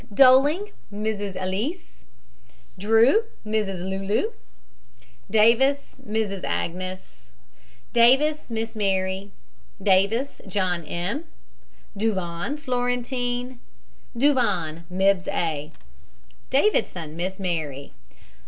DOLING, MRS. ELSIE. DREW, MRS. LULU. DAVIS, MRS. AGNES. DAVIS, MISS MARY. DAVIS, JOHN M. DUVAN, FLORENTINE. DUVAN, MRS. A. DAVIDSON, MISS MARY.